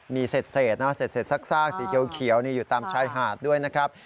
มีเศษนะเศษซากสีเขียวอยู่ตามชายหาดด้วยนะครับ